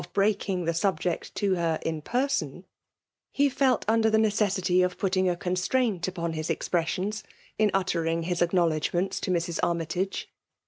breaking the subject to her in person, he fdt under the necessity of putting a constraint upon his expressions, in uttering his acknow^ lodgments to Mrs* Armytage.